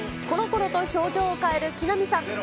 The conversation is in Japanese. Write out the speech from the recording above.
ころころと表情を変える木南さん。